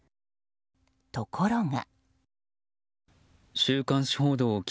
ところが。